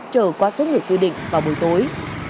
chờ qua số người quy định vào buổi tối